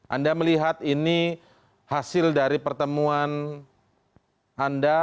anda melihat ini hasil dari pertemuan anda